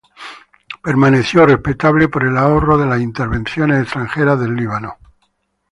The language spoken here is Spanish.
Permaneció respetable por el ahorro de las intervenciones extranjeras del Líbano.